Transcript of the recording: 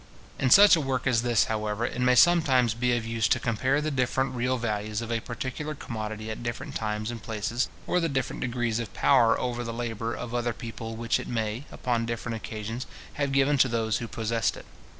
In such a work as this, however, it may sometimes be of use to compare the different real values of a particular commodity at different times and places, or the different degrees of power over the labour of other people which it may, upon different occasions, have given to those who possessed it.